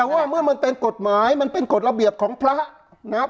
ว่าเมื่อมันเป็นกฎหมายมันเป็นกฎระเบียบของพระนะครับ